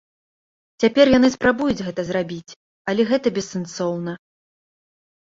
Цяпер яны спрабуюць гэта зрабіць, але гэта бессэнсоўна.